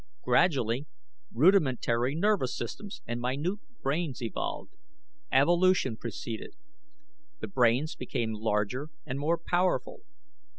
Gradually rudimentary nervous systems and minute brains evolved. Evolution proceeded. The brains became larger and more powerful.